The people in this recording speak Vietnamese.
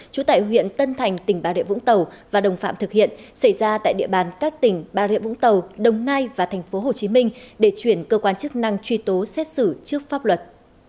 trú tại huyện tân thành tỉnh bà rịa vũng tàu và đồng phạm thực hiện xảy ra tại địa bàn các tỉnh bà rịa vũng tàu đồng nai và thành phố hồ chí minh để chuyển cơ quan chức năng truy tố xét xử trước pháp luật